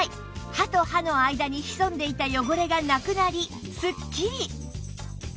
歯と歯の間に潜んでいた汚れがなくなりスッキリ！